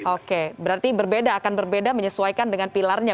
oke berarti berbeda akan berbeda menyesuaikan dengan pilarnya